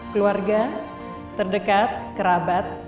keluarga terdekat kerabat